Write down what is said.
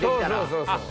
そうそう。